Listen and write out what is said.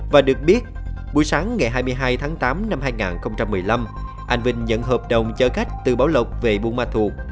và được biết buổi sáng ngày hai mươi hai tháng tám năm hai nghìn một mươi năm anh vinh nhận hợp đồng chở khách từ bảo lộc về buôn ma thuột